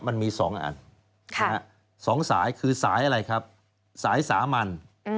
มันมี๒อัน๒สายคือสายอะไรครับสายสามัญ